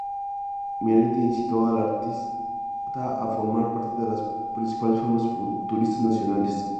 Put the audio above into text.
Marinetti incitó al artista a formar parte de las principales muestras futuristas nacionales.